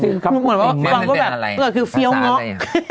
เหมือนว่าฟังว่าแบบเพลงก็คือฟีเอ้าอย่าง